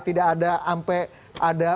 tidak ada ampe ada